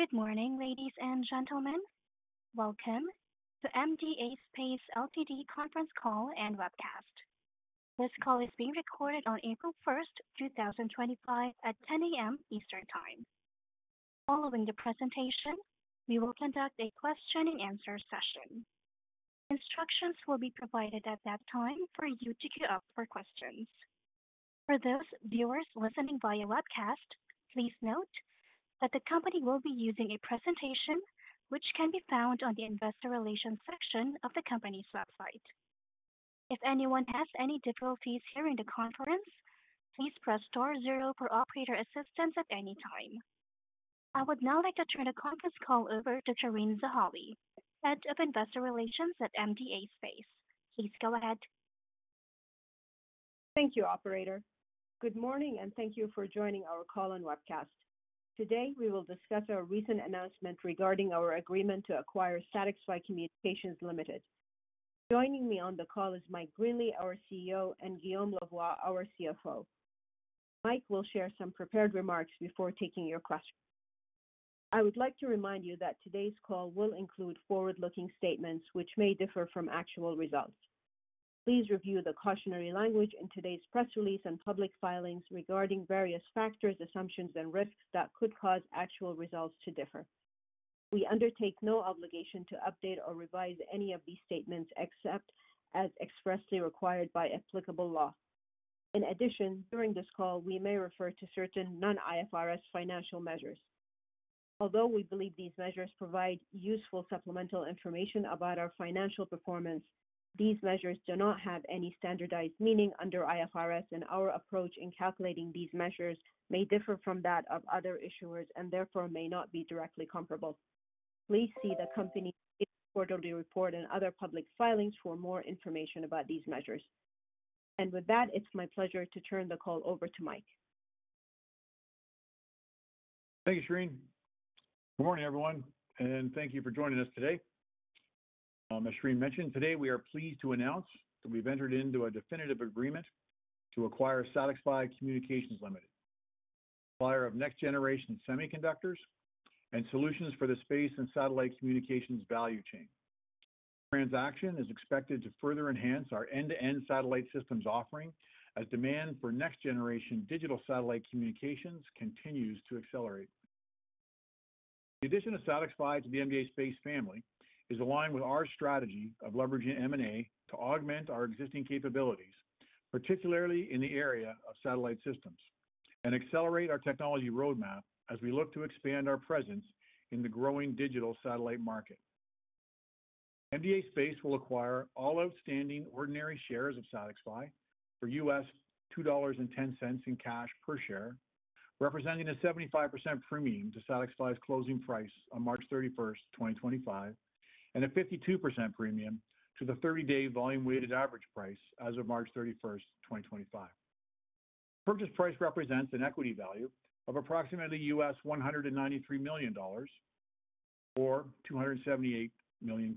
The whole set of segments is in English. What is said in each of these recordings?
Good morning, ladies and gentlemen. Welcome to MDA Space Conference Call and Webcast. This call is being recorded on April 1, 2025, at 10:00 A.M. Eastern Time. Following the presentation, we will conduct a question-and-answer session. Instructions will be provided at that time for you to queue up for questions. For those viewers listening via webcast, please note that the company will be using a presentation which can be found on the Investor Relations section of the company's website. If anyone has any difficulties hearing the conference, please press star zero for operator assistance at any time. I would now like to turn the conference call over to Shereen Zahawi, Head of Investor Relations at MDA Space. Please go ahead. Thank you, Operator. Good morning, and thank you for joining our call and webcast. Today, we will discuss our recent announcement regarding our agreement to acquire SatixFy Communications Limited. Joining me on the call is Mike Greenley, our CEO, and Guillaume Lavoie, our CFO. Mike will share some prepared remarks before taking your questions. I would like to remind you that today's call will include forward-looking statements which may differ from actual results. Please review the cautionary language in today's press release and public filings regarding various factors, assumptions, and risks that could cause actual results to differ. We undertake no obligation to update or revise any of these statements except as expressly required by applicable law. In addition, during this call, we may refer to certain non-IFRS financial measures. Although we believe these measures provide useful supplemental information about our financial performance, these measures do not have any standardized meaning under IFRS, and our approach in calculating these measures may differ from that of other issuers and therefore may not be directly comparable. Please see the company's quarterly report and other public filings for more information about these measures. It is my pleasure to turn the call over to Mike. Thank you, Shereen. Good morning, everyone, and thank you for joining us today. As Shereen mentioned, today we are pleased to announce that we've entered into a definitive agreement to acquire SatixFy Communications Limited, a buyer of next-generation semiconductors and solutions for the space and satellite communications value chain. This transaction is expected to further enhance our end-to-end satellite systems offering as demand for next-generation digital satellite communications continues to accelerate. The addition of SatixFy to the MDA Space family is aligned with our strategy of leveraging M&A to augment our existing capabilities, particularly in the area of satellite systems, and accelerate our technology roadmap as we look to expand our presence in the growing digital satellite market. MDA Space will acquire all outstanding ordinary shares of SatixFy for U.S. $2.10 in cash per share, representing a 75% premium to SatixFy Communications' closing price on March 31, 2025, and a 52% premium to the 30-day volume-weighted average price as of March 31, 2025. The purchase price represents an equity value of approximately $193 million, or 278 million.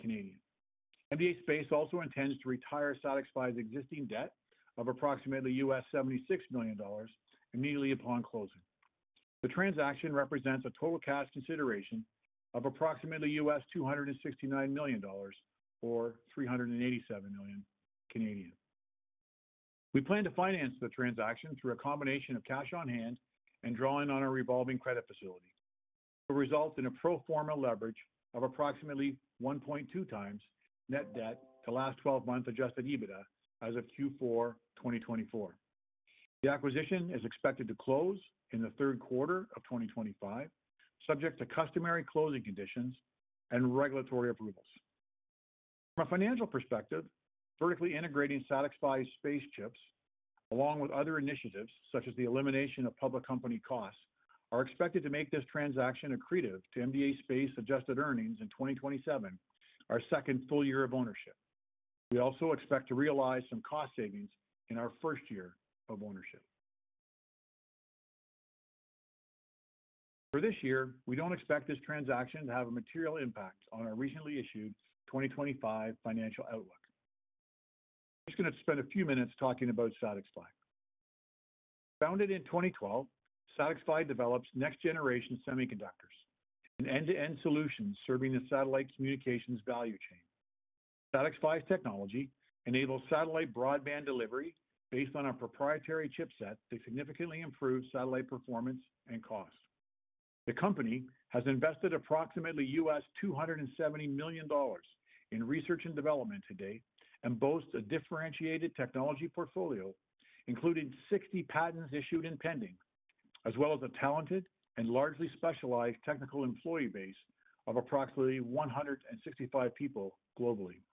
MDA Space also intends to retire SatixFy Communications' existing debt of approximately $76 million immediately upon closing. The transaction represents a total cash consideration of approximately $269 million, or 387 million. We plan to finance the transaction through a combination of cash on hand and drawing on our revolving credit facility. It will result in a pro forma leverage of approximately 1.2x net debt to last 12-month adjusted EBITDA as of Q4 2024. The acquisition is expected to close in the third quarter of 2025, subject to customary closing conditions and regulatory approvals. From a financial perspective, vertically integrating SatixFy Communications' space chips, along with other initiatives such as the elimination of public company costs, are expected to make this transaction accretive to MDA Space's adjusted earnings in 2027, our second full year of ownership. We also expect to realize some cost savings in our first year of ownership. For this year, we don't expect this transaction to have a material impact on our recently issued 2025 financial outlook. I'm just going to spend a few minutes talking about SatixFy Communications. Founded in 2012, SatixFy Communications develops next-generation semiconductors and end-to-end solutions serving the satellite communications value chain. SatixFy Communications' technology enables satellite broadband delivery based on a proprietary chipset to significantly improve satellite performance and cost. The company has invested approximately U.S. $270 million in research and development today and boasts a differentiated technology portfolio including 60 patents issued and pending, as well as a talented and largely specialized technical employee base of approximately 165 people globally.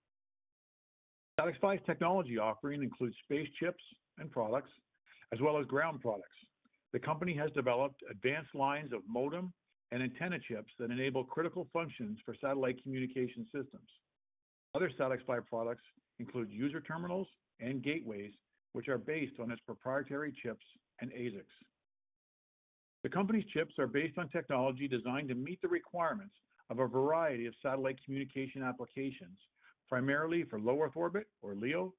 SatixFy Communications' technology offering includes space chips and products, as well as ground products. The company has developed advanced lines of modem and antenna chips that enable critical functions for satellite communication systems. Other SatixFy Communications products include user terminals and gateways, which are based on its proprietary chips and ASICs. The company's chips are based on technology designed to meet the requirements of a variety of satellite communication applications, primarily for low Earth orbit or LEO,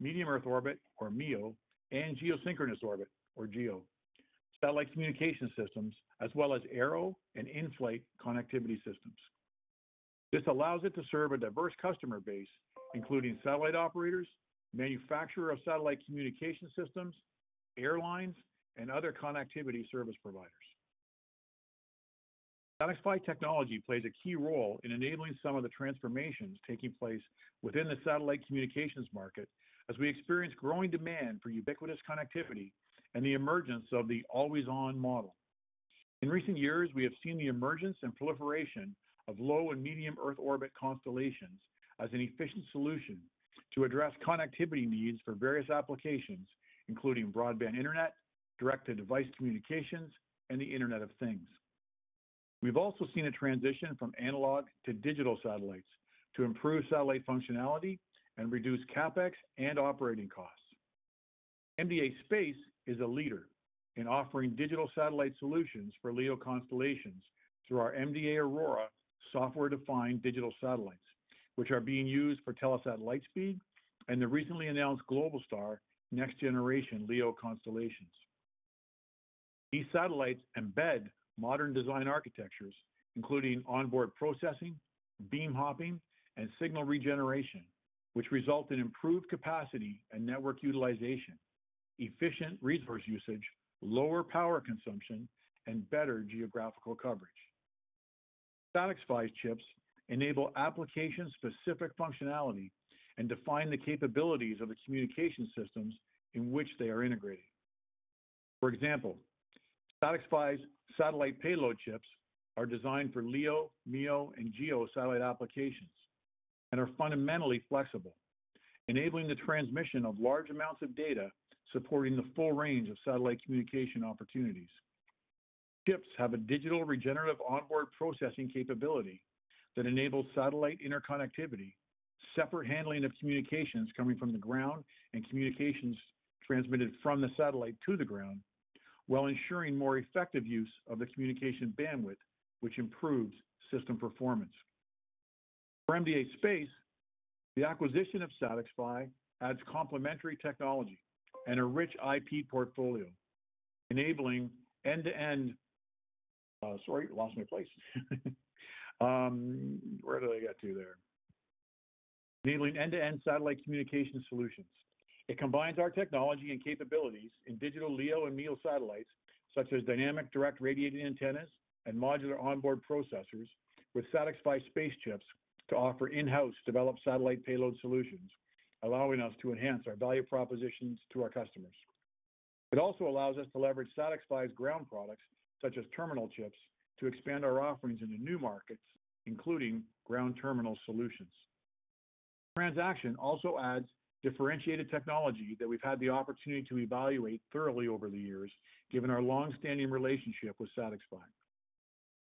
medium Earth orbit or MEO, and geosynchronous orbit or GEO, satellite communication systems, as well as Aero and in-flight connectivity systems. This allows it to serve a diverse customer base, including satellite operators, manufacturers of satellite communication systems, airlines, and other connectivity service providers. SatixFy technology plays a key role in enabling some of the transformations taking place within the satellite communications market as we experience growing demand for ubiquitous connectivity and the emergence of the always-on model. In recent years, we have seen the emergence and proliferation of low and medium-Earth orbit constellations as an efficient solution to address connectivity needs for various applications, including broadband internet, direct-to-device communications, and the Internet of Things. We've also seen a transition from analog to digital satellites to improve satellite functionality and reduce CapEx and operating costs. MDA Space is a leader in offering digital satellite solutions for LEO constellations through our MDA Aurora software-defined digital satellites, which are being used for Telesat Lightspeed and the recently announced Globalstar next-generation LEO constellations. These satellites embed modern design architectures, including onboard processing, beam hopping, and signal regeneration, which result in improved capacity and network utilization, efficient resource usage, lower power consumption, and better geographical coverage. SatixFy chips enable application-specific functionality and define the capabilities of the communication systems in which they are integrated. For example, SatixFy's satellite payload chips are designed for LEO, MEO, and GEO satellite applications and are fundamentally flexible, enabling the transmission of large amounts of data supporting the full range of satellite communication opportunities. The chips have a digital regenerative onboard processing capability that enables satellite interconnectivity, separate handling of communications coming from the ground and communications transmitted from the satellite to the ground, while ensuring more effective use of the communication bandwidth, which improves system performance. For MDA Space, the acquisition of SatixFy Communications adds complementary technology and a rich IP portfolio, enabling end-to-end—sorry, lost my place. Where did I get to there?—enabling end-to-end satellite communication solutions. It combines our technology and capabilities in digital LEO and MEO satellites, such as dynamic direct radiating antennas and modular onboard processors, with SatixFy chips to offer in-house developed satellite payload solutions, allowing us to enhance our value propositions to our customers. It also allows us to leverage SatixFy Communications' ground products, such as terminal chips, to expand our offerings into new markets, including ground terminal solutions. The transaction also adds differentiated technology that we've had the opportunity to evaluate thoroughly over the years, given our long-standing relationship with SatixFy Communications.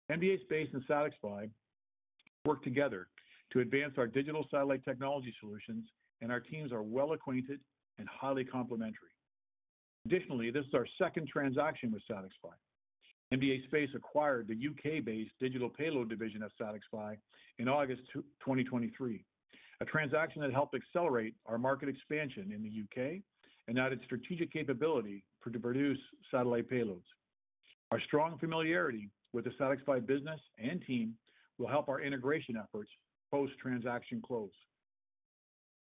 MDA Space and SatixFy Communications work together to advance our digital satellite technology solutions, and our teams are well acquainted and highly complementary. Additionally, this is our second transaction with SatixFy Communications. MDA Space acquired the U.K.-based digital payload division of SatixFy Communications in August 2023, a transaction that helped accelerate our market expansion in the U.K. and added strategic capability to produce satellite payloads. Our strong familiarity with the SatixFy Communications business and team will help our integration efforts post-transaction close.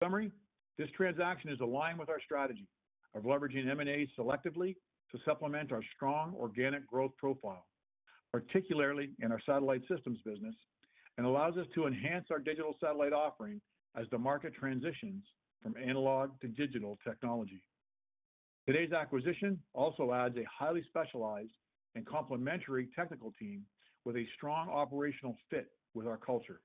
In summary, this transaction is aligned with our strategy of leveraging M&A selectively to supplement our strong organic growth profile, particularly in our satellite systems business, and allows us to enhance our digital satellite offering as the market transitions from analog to digital technology. Today's acquisition also adds a highly specialized and complementary technical team with a strong operational fit with our culture.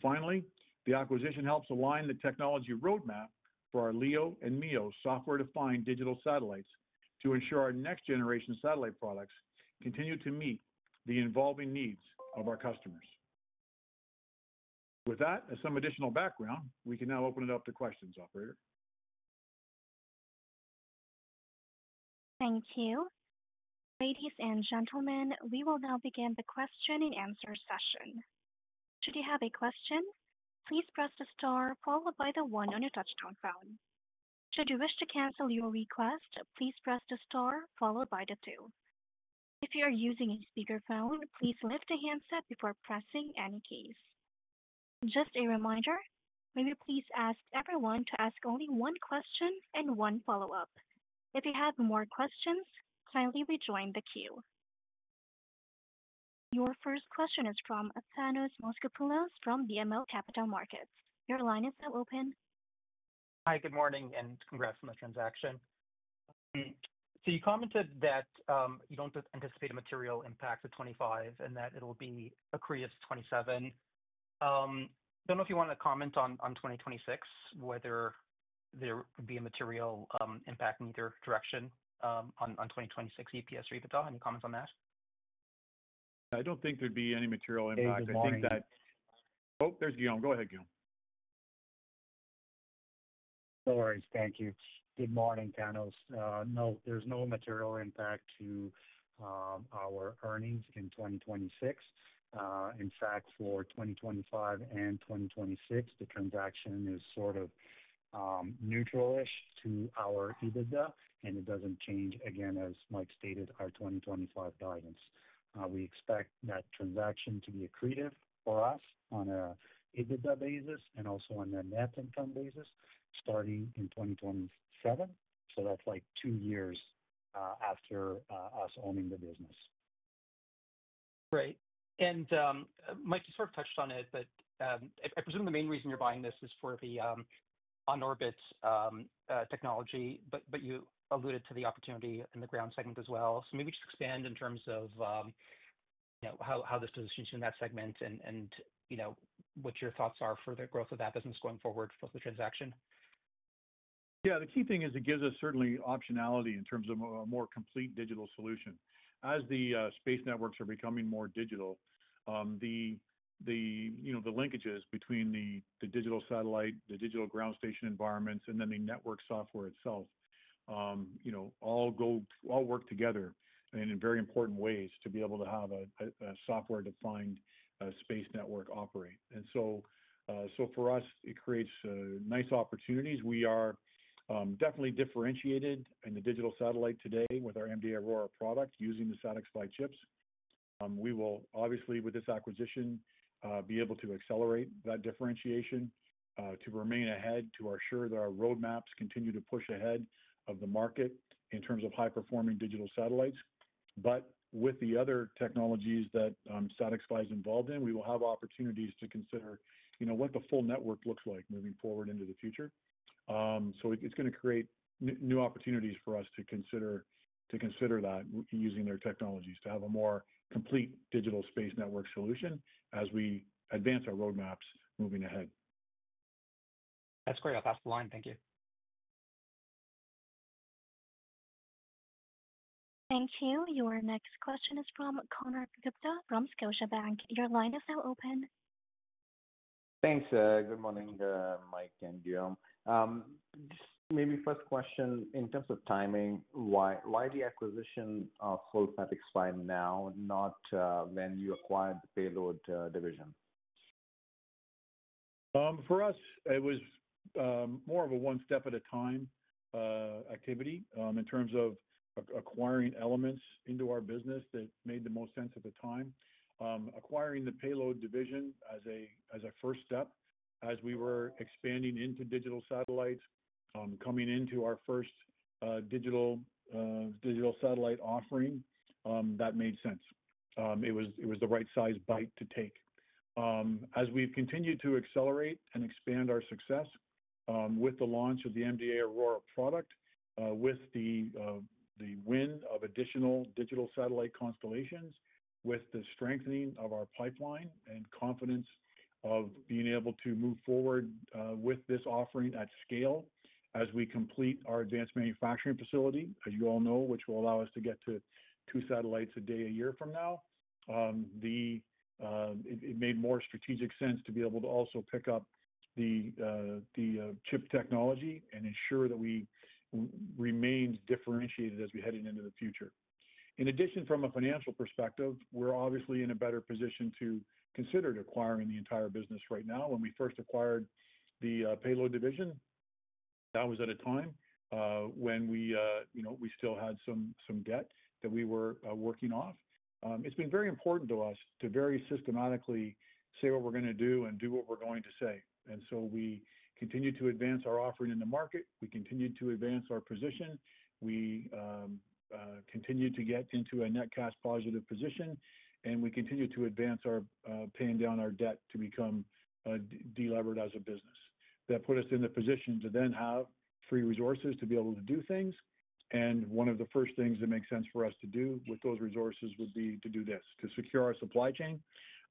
Finally, the acquisition helps align the technology roadmap for our LEO and MEO software-defined digital satellites to ensure our next-generation satellite products continue to meet the evolving needs of our customers. With that, as some additional background, we can now open it up to questions, Operator. Thank you. Ladies and gentlemen, we will now begin the question and answer session. Should you have a question, please press the star followed by the one on your touch-tone phone. Should you wish to cancel your request, please press the star followed by the two. If you are using a speakerphone, please lift a handset before pressing any keys. Just a reminder, may we please ask everyone to ask only one question and one follow-up? If you have more questions, kindly rejoin the queue. Your first question is from Thanos Moschopoulos from BMO Capital Markets. Your line is now open. Hi, good morning, and congrats on the transaction. You commented that you don't anticipate a material impact to 2025 and that it'll be accretive to 2027. I don't know if you want to comment on 2026, whether there would be a material impact in either direction on 2026 EPS or EBITDA. Any comments on that? I don't think there'd be any material impact. I think that—oh, there's Guillaume. Go ahead, Guillaume. Sorry, thank you. Good morning, Thanos. No, there's no material impact to our earnings in 2026. In fact, for 2025 and 2026, the transaction is sort of neutral-ish to our EBITDA, and it doesn't change, again, as Mike stated, our 2025 guidance. We expect that transaction to be accretive for us on an EBITDA basis and also on a net income basis starting in 2027. That is like two years after us owning the business. Great. Mike sort of touched on it, but I presume the main reason you're buying this is for the on-orbit technology. You alluded to the opportunity in the ground segment as well. Maybe just expand in terms of how this positions you in that segment and what your thoughts are for the growth of that business going forward for the transaction. Yeah, the key thing is it gives us certainly optionality in terms of a more complete digital solution. As the space networks are becoming more digital, the linkages between the digital satellite, the digital ground station environments, and then the network software itself all work together in very important ways to be able to have a software-defined space network operate. For us, it creates nice opportunities. We are definitely differentiated in the digital satellite today with our MDA Aurora product using the SatixFy chips. We will obviously, with this acquisition, be able to accelerate that differentiation to remain ahead to ensure that our roadmaps continue to push ahead of the market in terms of high-performing digital satellites. With the other technologies that SatixFy is involved in, we will have opportunities to consider what the full network looks like moving forward into the future. It is going to create new opportunities for us to consider that using their technologies to have a more complete digital space network solution as we advance our roadmaps moving ahead. That's great. I'll pass the line. Thank you. Thank you. Your next question is from Konark Gupta from Scotiabank. Your line is now open. Thanks. Good morning, Mike and Guillaume. Just maybe first question, in terms of timing, why the acquisition of full SatixFy now, not when you acquired the payload division? For us, it was more of a one step at a time activity in terms of acquiring elements into our business that made the most sense at the time. Acquiring the payload division as a first step as we were expanding into digital satellites, coming into our first digital satellite offering, that made sense. It was the right-size bite to take. As we've continued to accelerate and expand our success with the launch of the MDA Aurora product, with the win of additional digital satellite constellations, with the strengthening of our pipeline and confidence of being able to move forward with this offering at scale as we complete our advanced manufacturing facility, as you all know, which will allow us to get to two satellites a day a year from now, it made more strategic sense to be able to also pick up the chip technology and ensure that we remained differentiated as we headed into the future. In addition, from a financial perspective, we're obviously in a better position to consider acquiring the entire business right now. When we first acquired the payload division, that was at a time when we still had some debt that we were working off. Its been very important to us to very systematically say what we are going to do and do what we are going to say. We continued to advance our offering in the market. We continued to advance our position. We continued to get into a net cash positive position, and we continued to advance our paying down our debt to become a deliberative business. That put us in the position to then have free resources to be able to do things. One of the first things that makes sense for us to do with those resources would be to do this: to secure our supply chain,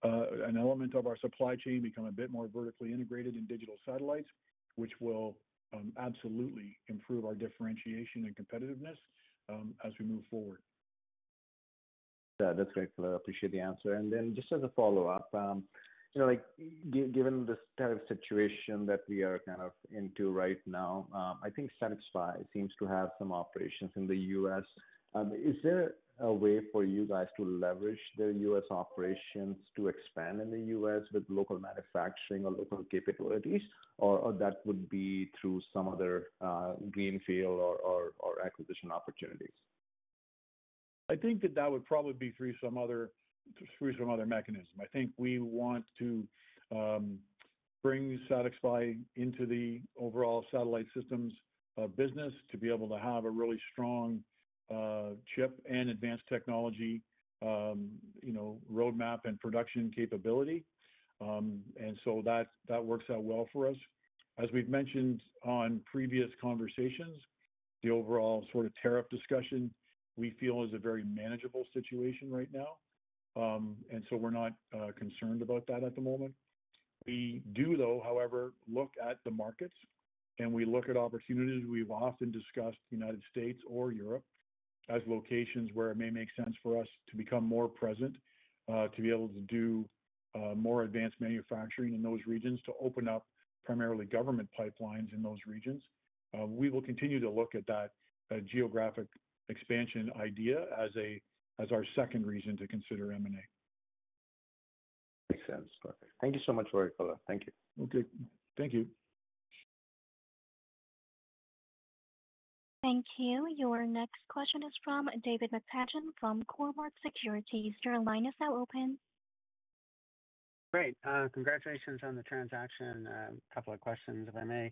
an element of our supply chain, become a bit more vertically integrated in digital satellites, which will absolutely improve our differentiation and competitiveness as we move forward. Yeah, that's great. I appreciate the answer. Just as a follow-up, given the situation that we are kind of into right now, I think SatixFy Communications seems to have some operations in the U.S. Is there a way for you guys to leverage their U.S. operations to expand in the U.S. with local manufacturing or local capabilities, or that would be through some other greenfield or acquisition opportunities? I think that would probably be through some other mechanism. I think we want to bring SatixFy Communications into the overall satellite systems business to be able to have a really strong chip and advanced technology roadmap and production capability. That works out well for us. As we've mentioned on previous conversations, the overall sort of tariff discussion we feel is a very manageable situation right now. We're not concerned about that at the moment. We do, though, however, look at the markets, and we look at opportunities. We've often discussed the United States or Europe as locations where it may make sense for us to become more present, to be able to do more advanced manufacturing in those regions, to open up primarily government pipelines in those regions. We will continue to look at that geographic expansion idea as our second reason to consider M&A. Makes sense. Perfect. Thank you so much, Mike, Guillaume. Thank you. Okay. Thank you. Thank you. Your next question is from David McEachern from Cormark Securities. Your line is now open. Great. Congratulations on the transaction. A couple of questions, if I may.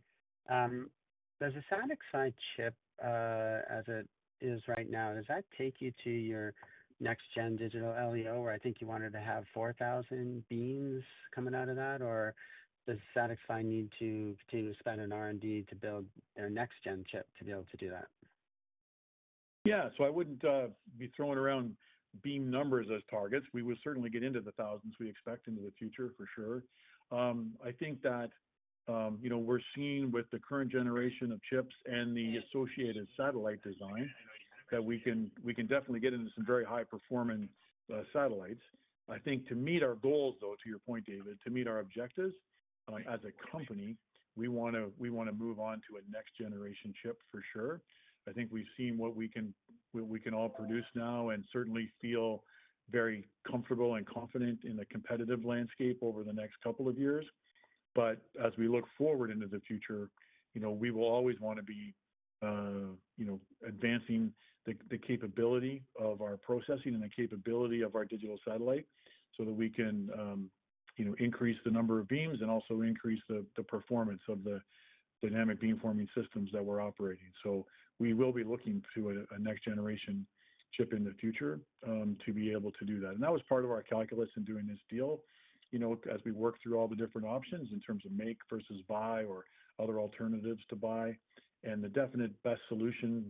Does the SatixFy chip, as it is right now, does that take you to your next-gen digital LEO, where I think you wanted to have 4,000 beams coming out of that, or does SatixFy need to continue to spend on R&D to build their next-gen chip to be able to do that? Yeah. I would not be throwing around beam numbers as targets. We will certainly get into the thousands we expect into the future, for sure. I think that we are seeing with the current generation of chips and the associated satellite design that we can definitely get into some very high-performing satellites. I think to meet our goals, though, to your point, David, to meet our objectives as a company, we want to move on to a next-generation chip for sure. I think we have seen what we can all produce now and certainly feel very comfortable and confident in the competitive landscape over the next couple of years. As we look forward into the future, we will always want to be advancing the capability of our processing and the capability of our digital satellite so that we can increase the number of beams and also increase the performance of the dynamic beamforming systems that we're operating. We will be looking to a next-generation chip in the future to be able to do that. That was part of our calculus in doing this deal as we worked through all the different options in terms of make versus buy or other alternatives to buy. The definite best solution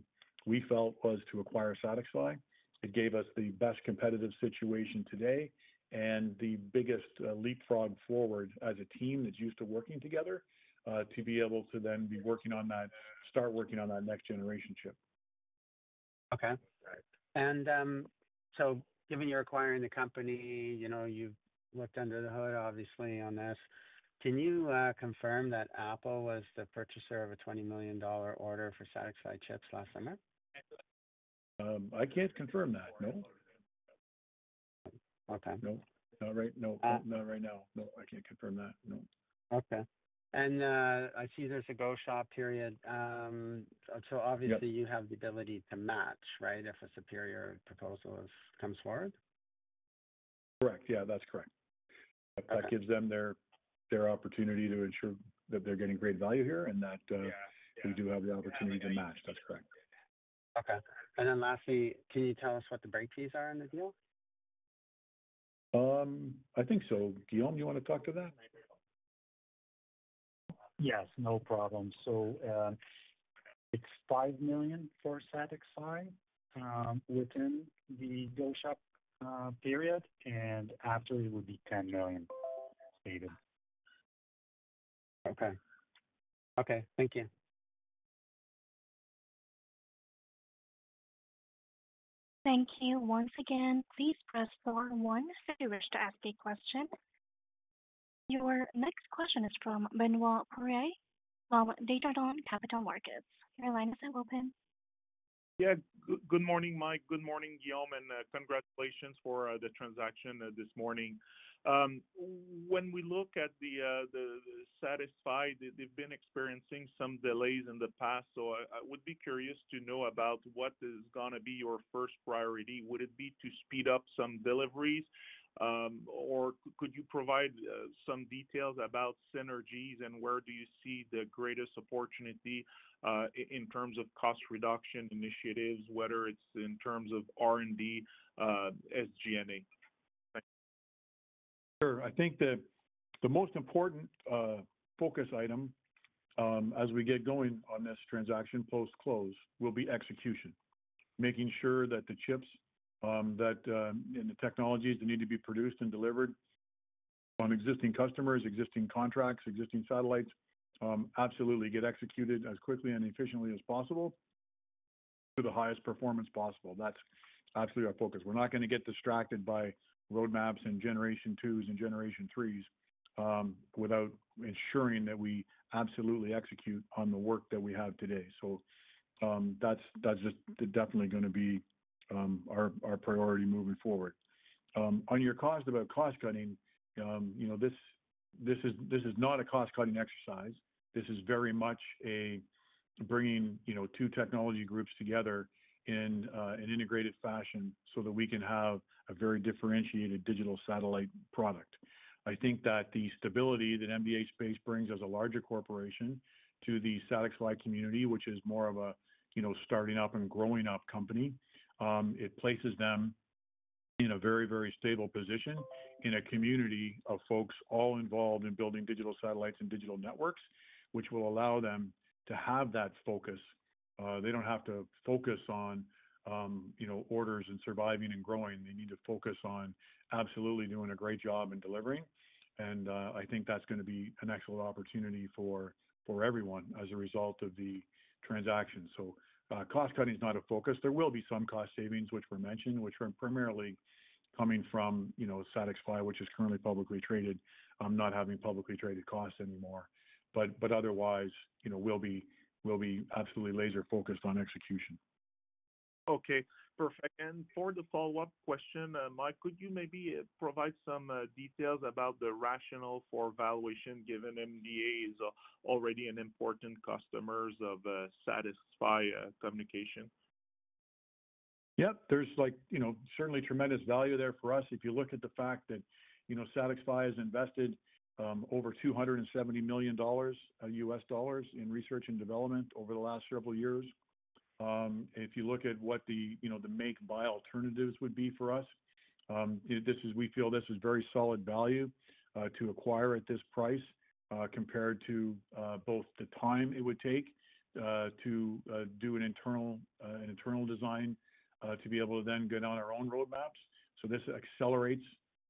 we felt was to acquire SatixFy Communications. It gave us the best competitive situation today and the biggest leapfrog forward as a team that's used to working together to be able to then be working on that, start working on that next-generation chip. Okay. Given you're acquiring the company, you've looked under the hood, obviously, on this. Can you confirm that Apple was the purchaser of a $20 million order for SatixFy chips last summer? I can't confirm that. No. No. Not right now. No, I can't confirm that. No. Okay. I see there's a go-shop period. You have the ability to match, right, if a superior proposal comes forward? Correct. Yeah, that's correct. That gives them their opportunity to ensure that they're getting great value here and that we do have the opportunity to match. That's correct. Okay. Lastly, can you tell us what the break fees are in the deal? I think so. Guillaume, do you want to talk to that? Yes, no problem. It is $5 million for SatixFy Communications within the go-shop period, and after, it would be $10 million, David. Okay. Okay. Thank you. Thank you once again. Please press four, one, if you wish to ask a question. Your next question is from Benoit Poirier from Desjardins Capital Markets. Your line is now open. Yeah. Good morning, Mike. Good morning, Guillaume, and congratulations for the transaction this morning. When we look at the SatixFy, they've been experiencing some delays in the past. So I would be curious to know about what is going to be your first priority. Would it be to speed up some deliveries, or could you provide some details about synergies and where do you see the greatest opportunity in terms of cost reduction initiatives, whether it's in terms of R&D, SG&A? Sure. I think the most important focus item as we get going on this transaction post-close will be execution, making sure that the chips and the technologies that need to be produced and delivered on existing customers, existing contracts, existing satellites absolutely get executed as quickly and efficiently as possible to the highest performance possible. That's absolutely our focus. We're not going to get distracted by roadmaps and generation 2s and generation 3s without ensuring that we absolutely execute on the work that we have today. That's definitely going to be our priority moving forward. On your question about cost-cutting, this is not a cost-cutting exercise. This is very much a bringing two technology groups together in an integrated fashion so that we can have a very differentiated digital satellite product. I think that the stability that MDA Space brings as a larger corporation to the SatixFy community, which is more of a starting up and growing up company, it places them in a very, very stable position in a community of folks all involved in building digital satellites and digital networks, which will allow them to have that focus. They don't have to focus on orders and surviving and growing. They need to focus on absolutely doing a great job in delivering. I think that's going to be an excellent opportunity for everyone as a result of the transaction. Cost-cutting is not a focus. There will be some cost savings, which were mentioned, which are primarily coming from SatixFy Communications, which is currently publicly traded, not having publicly traded costs anymore. Otherwise, we'll be absolutely laser-focused on execution. Okay. Perfect. For the follow-up question, Mike, could you maybe provide some details about the rationale for valuation given MDA is already an important customer of SatixFy Communications? Yeah. There's certainly tremendous value there for us. If you look at the fact that SatixFy has invested over $270 million in research and development over the last several years. If you look at what the make-buy alternatives would be for us, we feel this is very solid value to acquire at this price compared to both the time it would take to do an internal design to be able to then get on our own roadmaps. This accelerates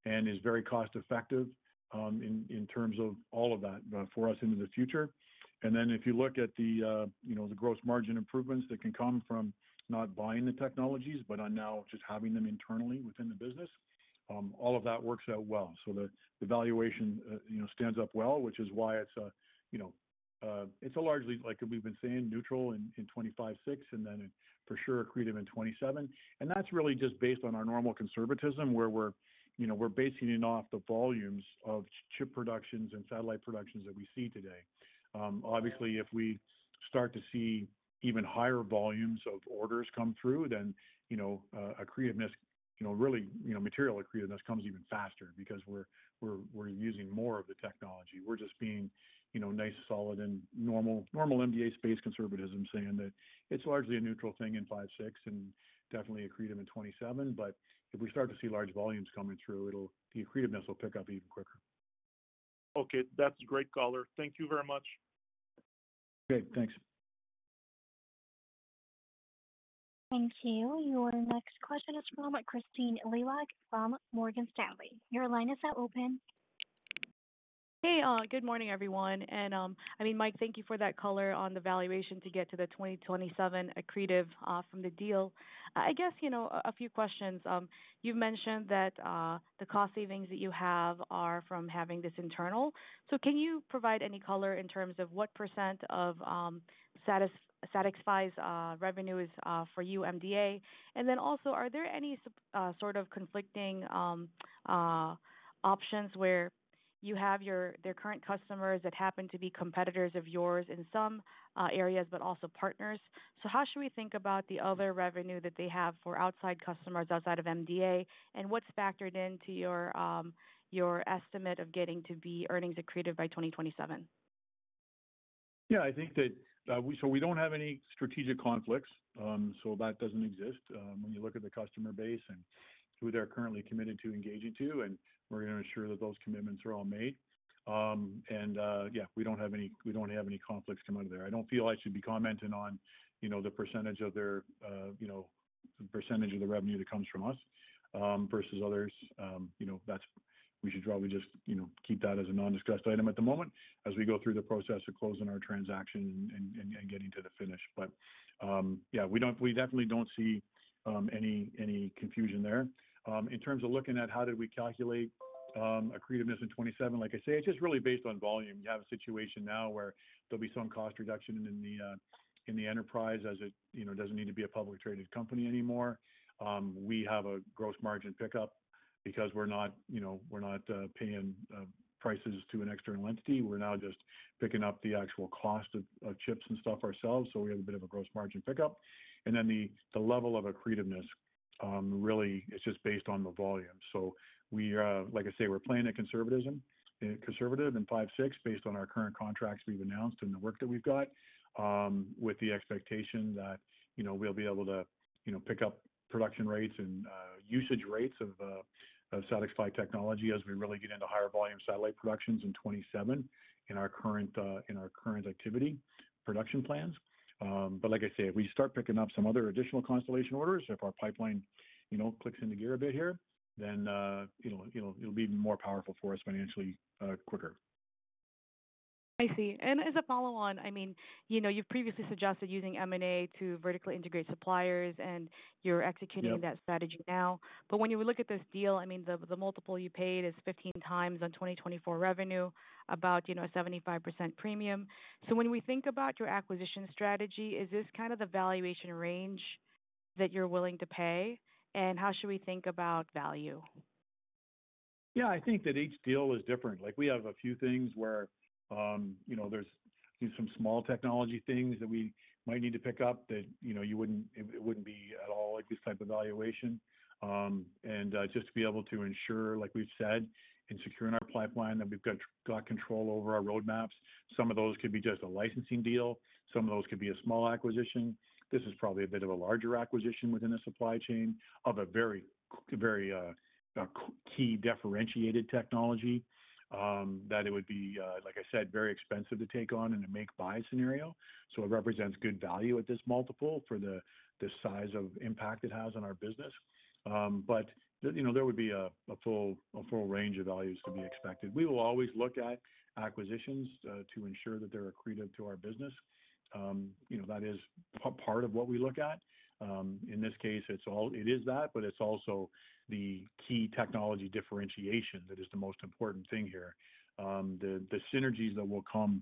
and is very cost-effective in terms of all of that for us into the future. If you look at the gross margin improvements that can come from not buying the technologies, but now just having them internally within the business, all of that works out well. The valuation stands up well, which is why it is largely, like we have been saying, neutral in 2025, 2026, and then for sure accretive in 2027. That is really just based on our normal conservatism where we are basing it off the volumes of chip productions and satellite productions that we see today. Obviously, if we start to see even higher volumes of orders come through, then accretiveness, really material accretiveness, comes even faster because we are using more of the technology. We are just being nice, solid, and normal MDA Space conservatism saying that it is largely a neutral thing in 2025, 2026, and definitely accretive in 2027. If we start to see large volumes coming through, the accretiveness will pick up even quicker. Okay. That is great, Caller. Thank you very much. Okay. Thanks. Thank you. Your next question is from Kristine Liwag from Morgan Stanley. Your line is now open. Hey, good morning, everyone. I mean, Mike, thank you for that color on the valuation to get to the 2027 accretive from the deal. I guess a few questions. You've mentioned that the cost savings that you have are from having this internal. Can you provide any color in terms of what percentage of SatixFy's revenue is for you, MDA? Also, are there any sort of conflicting options where you have their current customers that happen to be competitors of yours in some areas, but also partners? How should we think about the other revenue that they have for outside customers outside of MDA, and what's factored into your estimate of getting to be earnings accretive by 2027? Yeah. I think that we don't have any strategic conflicts. That doesn't exist when you look at the customer base and who they're currently committed to engaging to. We're going to ensure that those commitments are all made. Yeah, we don't have any conflicts come out of there. I don't feel I should be commenting on the percentage of their percentage of the revenue that comes from us versus others. We should probably just keep that as a non-discussed item at the moment as we go through the process of closing our transaction and getting to the finish. Yeah, we definitely don't see any confusion there. In terms of looking at how did we calculate accretiveness in 2027, like I say, it's just really based on volume. You have a situation now where there'll be some cost reduction in the enterprise as it doesn't need to be a publicly traded company anymore. We have a gross margin pickup because we're not paying prices to an external entity. We're now just picking up the actual cost of chips and stuff ourselves. We have a bit of a gross margin pickup. The level of accretiveness, really, it's just based on the volume. Like I say, we're playing a conservative in 2025, 2026 based on our current contracts we've announced and the work that we've got with the expectation that we'll be able to pick up production rates and usage rates of SatixFy technology as we really get into higher volume satellite productions in 2027 in our current activity production plans. Like I say, if we start picking up some other additional constellation orders, if our pipeline clicks into gear a bit here, then it'll be more powerful for us financially quicker. I see. As a follow-on, I mean, you've previously suggested using M&A to vertically integrate suppliers, and you're executing that strategy now. When you look at this deal, I mean, the multiple you paid is 15x on 2024 revenue, about a 75% premium. When we think about your acquisition strategy, is this kind of the valuation range that you're willing to pay? How should we think about value? Yeah. I think that each deal is different. We have a few things where there's some small technology things that we might need to pick up that it would not be at all at this type of valuation. Just to be able to ensure, like we've said, and secure in our pipeline that we've got control over our roadmaps. Some of those could be just a licensing deal. Some of those could be a small acquisition. This is probably a bit of a larger acquisition within the supply chain of a very key differentiated technology that it would be, like I said, very expensive to take on in a make-buy scenario. It represents good value at this multiple for the size of impact it has on our business. There would be a full range of values to be expected. We will always look at acquisitions to ensure that they're accretive to our business. That is part of what we look at. In this case, it is that, but it's also the key technology differentiation that is the most important thing here. The synergies that will come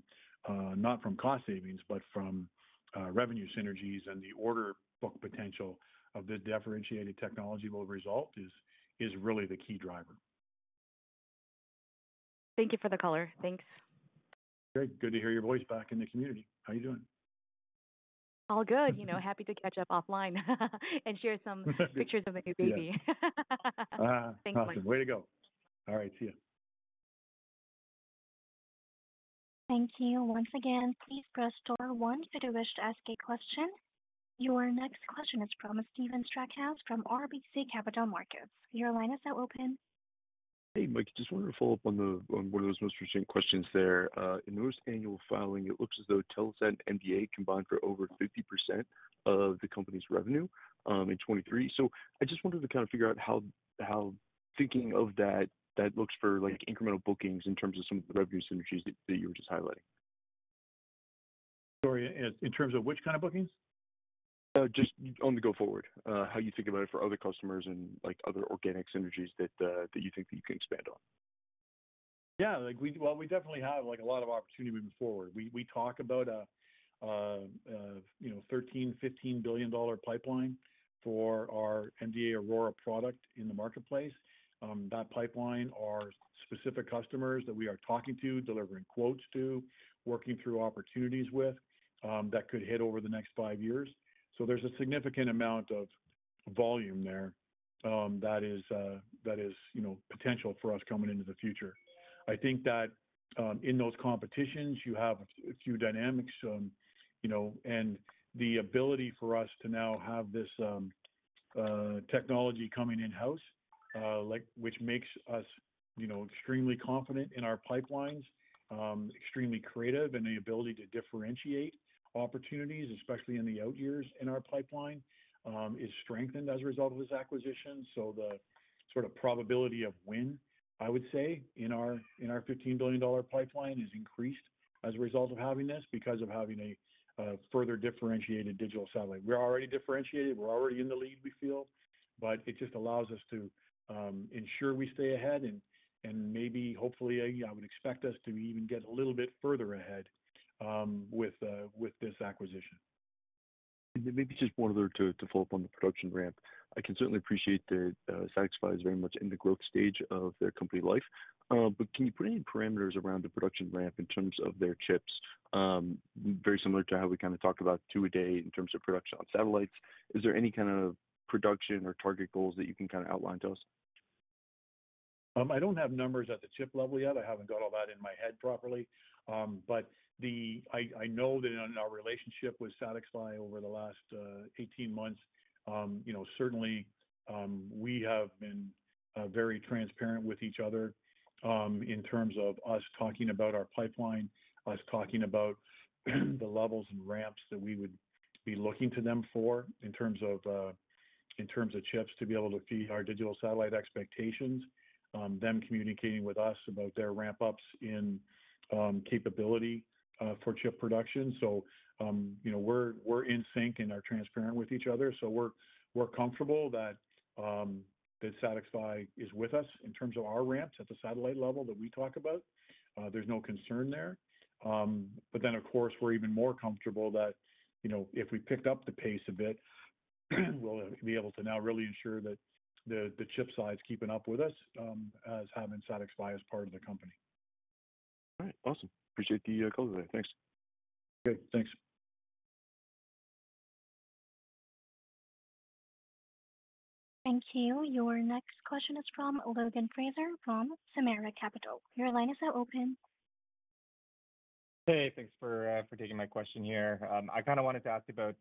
not from cost savings, but from revenue synergies, and the order book potential of the differentiated technology is really the key driver. Thank you for the color. Thanks. Great. Good to hear your voice back in the community. How are you doing? All good. Happy to catch up offline and share some pictures of the new baby. Awesome. Way to go. All right. See you. Thank you once again. Please press star one if you wish to ask a question. Your next question is from Stephen Stackhouse from RBC Capital Markets. Your line is now open. Hey, Mike. Just wanted to follow up on one of those most recent questions there. In the most annual filing, it looks as though Telesat and MDA combined for over 50% of the company's revenue in 2023. I just wanted to kind of figure out how thinking of that looks for incremental bookings in terms of some of the revenue synergies that you were just highlighting. Sorry. In terms of which kind of bookings? Just on the go forward, how you think about it for other customers and other organic synergies that you think that you can expand on? Yeah. We definitely have a lot of opportunity moving forward. We talk about a $13 billion-$15 billion pipeline for our MDA Aurora product in the marketplace. That pipeline are specific customers that we are talking to, delivering quotes to, working through opportunities with that could hit over the next five years. There is a significant amount of volume there that is potential for us coming into the future. I think that in those competitions, you have a few dynamics. The ability for us to now have this technology coming in-house, which makes us extremely confident in our pipelines, extremely creative, and the ability to differentiate opportunities, especially in the out years in our pipeline, is strengthened as a result of this acquisition. The sort of probability of win, I would say, in our $15 billion pipeline is increased as a result of having this because of having a further differentiated digital satellite. We're already differentiated. We're already in the lead, we feel. It just allows us to ensure we stay ahead, and maybe, hopefully, I would expect us to even get a little bit further ahead with this acquisition. Maybe just one other to follow up on the production ramp. I can certainly appreciate that SatixFy is very much in the growth stage of their company life. But can you put any parameters around the production ramp in terms of their chips? Very similar to how we kind of talked about two a day in terms of production on satellites. Is there any kind of production or target goals that you can kind of outline to us? I don't have numbers at the chip level yet. I haven't got all that in my head properly. But I know that in our relationship with SatixFy Communications over the last 18 months, certainly, we have been very transparent with each other in terms of us talking about our pipeline, us talking about the levels and ramps that we would be looking to them for in terms of chips to be able to feed our digital satellite expectations, them communicating with us about their ramp-ups in capability for chip production. We are in sync and are transparent with each other. We are comfortable that SatixFy Communications is with us in terms of our ramps at the satellite level that we talk about. There's no concern there. Of course, we're even more comfortable that if we picked up the pace a bit, we'll be able to now really ensure that the chip side's keeping up with us as having SatixFy as part of the company. All right. Awesome. Appreciate the call today. Thanks. Okay. Thanks. Thank you. Your next question is from Logan Fraser from Samara Capital. Your line is now open. Hey, thanks for taking my question here. I kind of wanted to ask about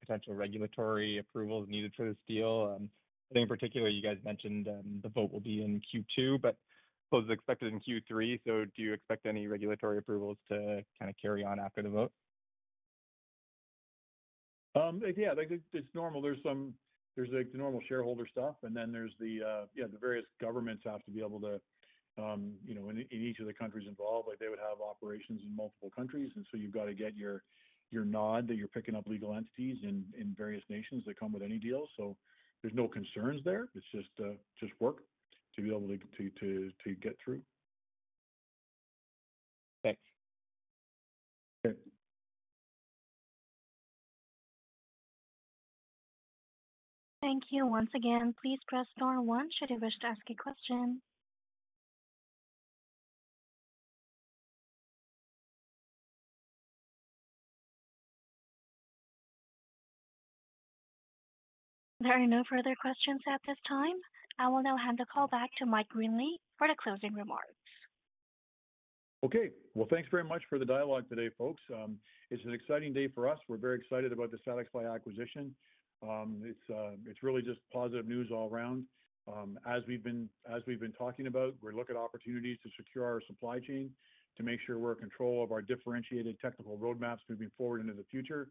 potential regulatory approvals needed for this deal. I think in particular, you guys mentioned the vote will be in Q2, but was expected in Q3. Do you expect any regulatory approvals to kind of carry on after the vote? Yeah. It's normal. There's the normal shareholder stuff. Then there's the, yeah, the various governments have to be able to, in each of the countries involved, they would have operations in multiple countries. You have to get your nod that you're picking up legal entities in various nations that come with any deal. There's no concerns there. It's just work to be able to get through. Thanks. Okay. Thank you once again. Please press star one should you wish to ask a question. There are no further questions at this time. I will now hand the call back to Mike Greenley for the closing remarks. Okay. Thanks very much for the dialogue today, folks. It's an exciting day for us. We're very excited about the SatixFy acquisition. It's really just positive news all around. As we've been talking about, we're looking at opportunities to secure our supply chain to make sure we're in control of our differentiated technical roadmaps moving forward into the future.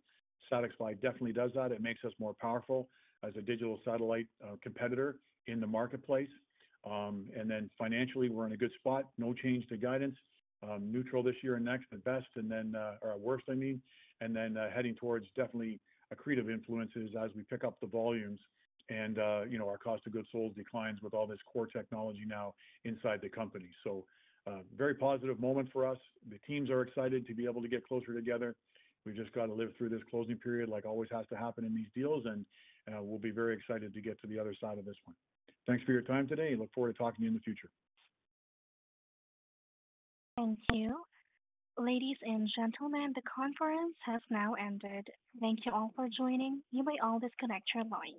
SatixFy definitely does that. It makes us more powerful as a digital satellite competitor in the marketplace. Financially, we're in a good spot. No change to guidance. Neutral this year and next, at best, or at worst, I mean. Heading towards definitely accretive influences as we pick up the volumes. Our cost of goods sold declines with all this core technology now inside the company. Very positive moment for us. The teams are excited to be able to get closer together. We've just got to live through this closing period like always has to happen in these deals. We will be very excited to get to the other side of this one. Thanks for your time today. Look forward to talking to you in the future. Thank you. Ladies and gentlemen, the conference has now ended. Thank you all for joining. You may always disconnect your line.